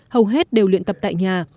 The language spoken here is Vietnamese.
hầu hết đều luyện tập tại nhà